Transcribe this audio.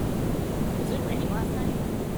Was it raining last night?